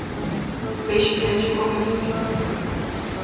O peixe grande come o menino.